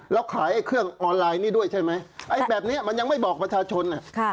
แล้วขายไอ้เครื่องออนไลน์นี้ด้วยใช่ไหมไอ้แบบนี้มันยังไม่บอกประชาชน